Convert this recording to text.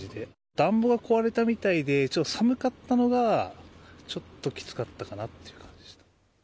暖房が壊れたみたいで、ちょっと寒かったのがちょっときつかったかなっていう感じでした。